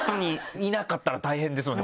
いなかったら大変ですもんね